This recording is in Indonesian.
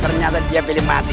ternyata dia pilih mati